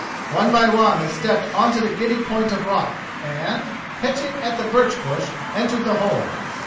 One by one they stepped on to the giddy point of rock, and, catching at the birch bush, entered the hole.